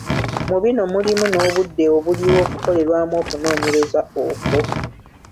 Mu bino mulimu n’obudde obuliwo okukolerwamu okunoonyereza okwo.